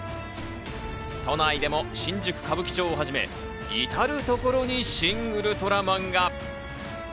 都内でも新宿・歌舞伎町をはじめ、至るところにシン・ウルトラマンが。